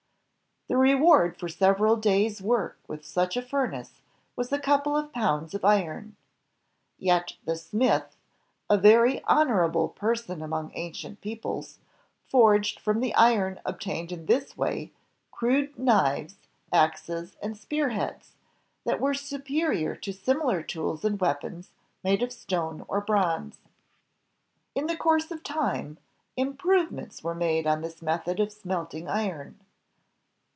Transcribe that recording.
The reward for several days' work with such a furnace was a couple of pounds of iron. Yet the smith — a very I honorable person among ancient peoples — forged from the iron obtained in this way, crude knives, axes, and spearheads that were superior to similar tools and weapons made of stone or of bronze. In the course of time, improvements were made on this method of smelting iron.